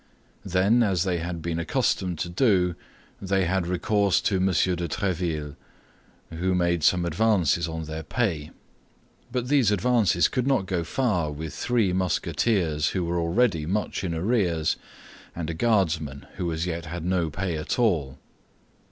Then, as they had been accustomed to do, they had recourse to M. de Tréville, who made some advances on their pay; but these advances could not go far with three Musketeers who were already much in arrears and a Guardsman who as yet had no pay at all.